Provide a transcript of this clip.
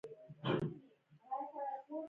د پېنټ له پروګرام څخه په کمپیوټر نقاشي وکړئ.